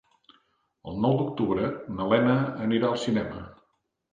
El nou d'octubre na Lena anirà al cinema.